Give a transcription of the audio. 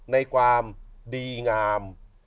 ในความดีงาม